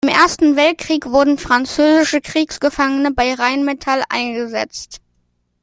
Im Ersten Weltkrieg wurden französische Kriegsgefangene bei Rheinmetall eingesetzt.